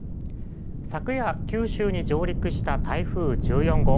昨夜九州に上陸した台風１４号。